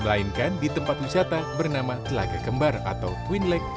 melainkan di tempat wisata bernama telaga kembar atau twin lag